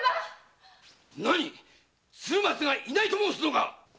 鶴松がいないと申すのか